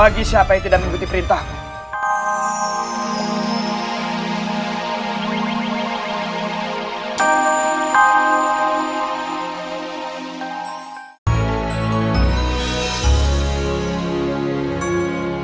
aku akan menjalani hukuman pancong hari ini